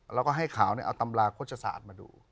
แล้วก็ให้ขาวเอาตำราโฆษศาสตร์มาดู